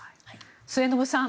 末延さん